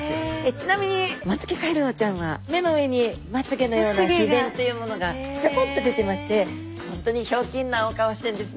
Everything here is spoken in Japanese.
ちなみにモンツキカエルウオちゃんは目の上にまつ毛のような皮弁というものがちょこんと出てまして本当にひょうきんなお顔をしてるんですね。